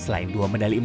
selain dua medali